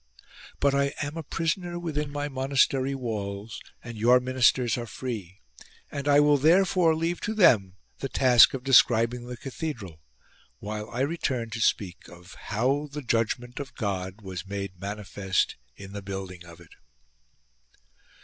But I am a prisoner within my monastery walls and your ministers are free ; and I will therefore leave to them the task of describing the cathedral, while I return to speak of how the judgment of God was made mani fest in the building of it.